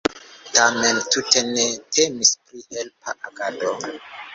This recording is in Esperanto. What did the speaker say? Tamen tute ne temis pri helpa agado.